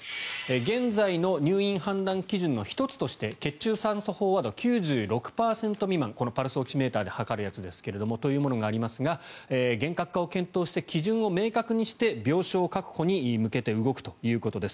現在の入院判断基準の１つとして血中酸素飽和度９６％未満パルスオキシメーターで測るものがありますが厳格化を検討して基準を明確化して病床確保に向けて動くということです。